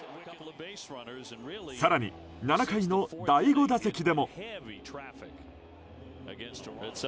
更に、７回の第５打席でも。